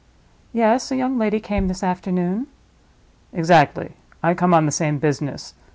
"Yes; a young lady came this afternoon." "Exactly; I come on the same business.